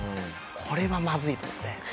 これはまずいと思って。